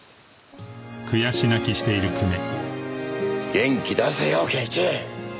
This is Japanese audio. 元気出せよ健一。